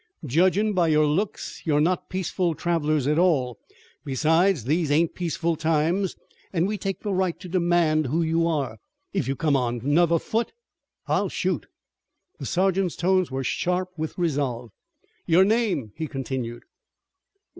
"Judgin' by your looks you're not peaceful travelers at all. Besides these ain't peaceful times an' we take the right to demand who you are. If you come on another foot, I shoot." The sergeant's tones were sharp with resolve. "Your name!" he continued.